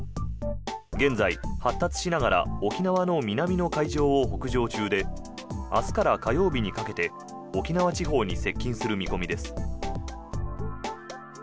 現在、発達しながら沖縄の南の海上を北上中で明日から火曜日にかけて沖縄地方に接近する見込みです。